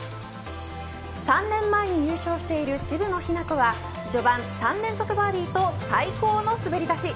３年前に優勝している渋野日向子は序盤３連続バーディーと最高の滑り出し。